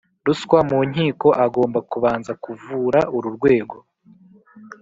Ruswa mu nkiko agomba kubanza kuvura uru rwego.